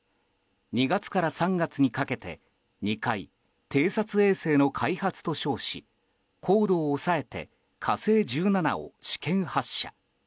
２月から３月にかけて２回、偵察衛星の開発と称し高度を抑えて「火星１７」を試験発射。